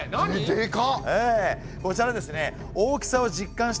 でか！